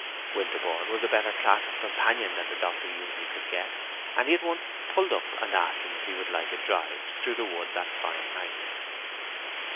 Winterborne was a better class of companion than the doctor usually could get, and he at once pulled up and asked him if he would like a drive through the wood that fine night.